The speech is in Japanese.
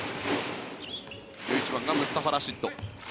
１１番がムスタファ・ラシッド。